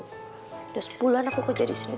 udah sebulan aku kerja disini